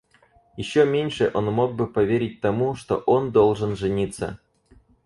Еще меньше он мог бы поверить тому, что он должен жениться.